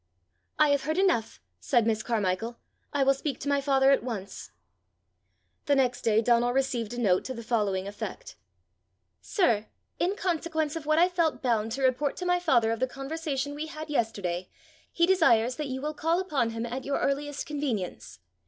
"I have heard enough!" said Miss Carmichael: "I will speak to my father at once." The next day Donal received a note to the following effect: "Sir, in consequence of what I felt bound to report to my father of the conversation we had yesterday, he desires that you will call upon him at your earliest convenience.